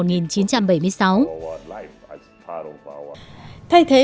thay thế vỉa hè